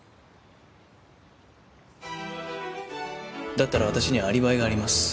だったら私にはアリバイがあります